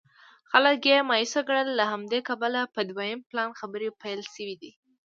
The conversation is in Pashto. خلک یې مایوسه کړل له همدې کبله په دویم پلان خبرې پیل شوې دي.